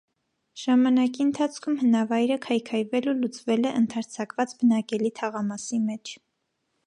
Ժամանակի ընթացքում հնավայրը քայքայվել ու լուծվել է ընդարձակված բնակելի թաղամասի մեջ։